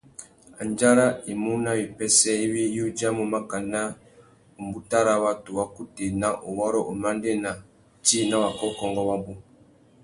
Andjara i mú nà wipêssê iwí i udjamú mákànà râ watu wa kutu ena, uwôrrô, umandēna tsi na wakōkôngô wabú.